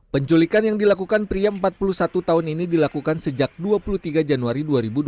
penculikan yang dilakukan pria empat puluh satu tahun ini dilakukan sejak dua puluh tiga januari dua ribu dua puluh